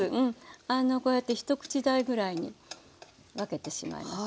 こうやって一口大ぐらいに分けてしまいます。